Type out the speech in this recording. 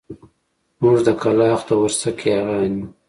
موږ د کلاخ د ورسک ياغيان يو.